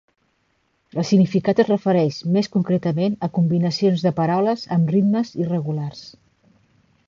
El significat es refereix més concretament a combinacions de paraules amb ritmes irregulars.